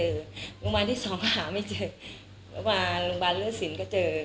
โรงพยาบาลที่สองก็หาไม่เจอโรงพยาบาลเลือดศิลป์ก็เจอ